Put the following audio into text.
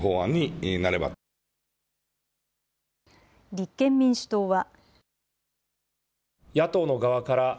立憲民主党は。